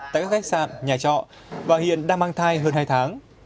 tại các khách sạn nhà trọ và hiện đang mang thai hơn hai tháng